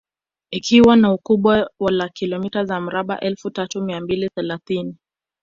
Ikiwa na ukubwa la kilomita za mraba elfu tatu mia mbili thelathini